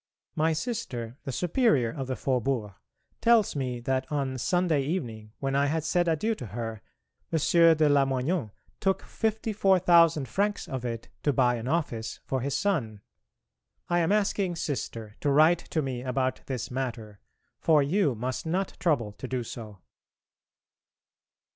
My Sister, the Superior of the Faubourg, tells me that on Sunday evening when I had said adieu to her, M. de Lamoignon took fifty four thousand francs of it to buy an office for his son. I am asking Sister to write to me about this matter, for you must not trouble to do so....